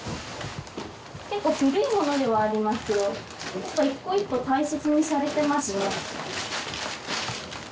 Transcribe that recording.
結構古いものではありますけどやっぱり一個一個大切にされてますね。